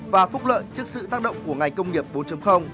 và phúc lợi trước sự tác động của ngành công nghiệp bốn